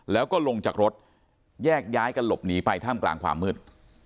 แล้วก็ลงจากรถแยกย้ายกันหลบหนีไปท่ามกลางความมืด